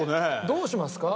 どうしますか？